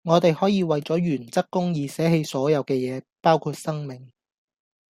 我地可以為左原則公義捨棄所有既野包括生命